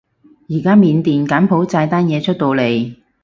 而家緬甸柬埔寨單嘢出到嚟